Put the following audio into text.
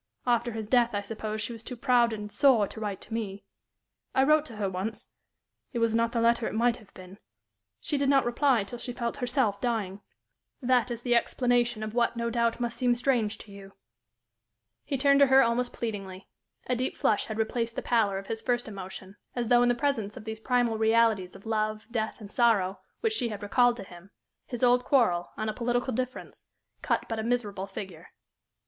After his death, I suppose, she was too proud and sore to write to me. I wrote to her once it was not the letter it might have been. She did not reply till she felt herself dying. That is the explanation of what, no doubt, must seem strange to you." [Illustration: "'FOR MY ROSE'S CHILD,' HE SAID, GENTLY"] He turned to her almost pleadingly. A deep flush had replaced the pallor of his first emotion, as though in the presence of these primal realities of love, death, and sorrow which she had recalled to him, his old quarrel, on a political difference, cut but a miserable figure.